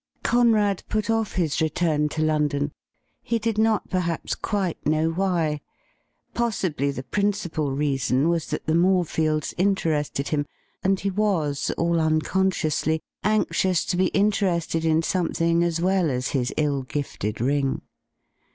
Cone AD put off his return to London, he did not perhaps quite know why. Possibly the principal reason was that the Morefields interested him, and he was, all unconsciously, anxious to be interested in something as well as his ill gifted ring.